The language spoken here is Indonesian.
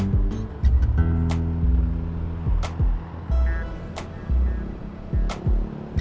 kita mau masuk